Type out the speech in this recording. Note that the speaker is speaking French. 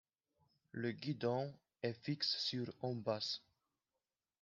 Le guidon est fixe sur embase.